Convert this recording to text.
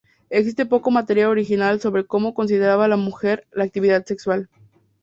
Existe poco material original sobre cómo consideraban las mujeres la actividad sexual.